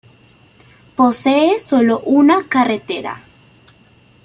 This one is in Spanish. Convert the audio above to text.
Posee solo una carretera.